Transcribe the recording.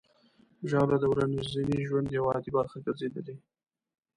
ژاوله د ورځني ژوند یوه عادي برخه ګرځېدلې.